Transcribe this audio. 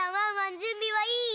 じゅんびはいい？